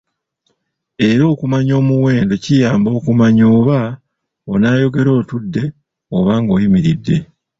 Era okumanya omuwendo kiyamba okumanya oba onaayogera otudde oba ng'oyimiride.